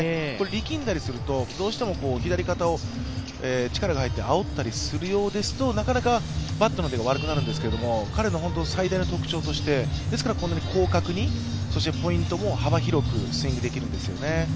力んだりすると、左肩を力が入ってあおったりするようですとなかなかバットの出が悪くなるんですけど、彼の最大の特徴として、ですからこんなに広角に、そして、ポイントも幅広くスイングできるんですよね。